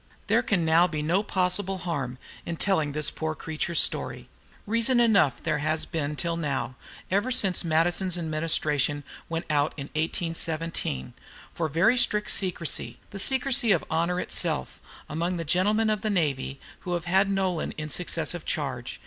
There can now be no possible harm in telling this poor creature's story. Reason enough there has been till now, ever since Madison's [Note 4] administration went out in 1817, for very strict secrecy, the secrecy of honor itself, among the gentlemen of the navy who have had Nolan in successive charge.